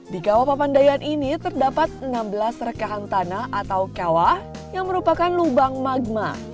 di kawah papandayan ini terdapat enam belas rekahan tanah atau kawah yang merupakan lubang magma